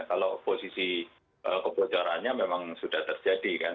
kalau posisi kebocorannya memang sudah terjadi kan